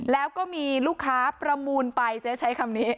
แล้วก็มีลูกค้าประมูลไปเจ๊ใช้คำนี้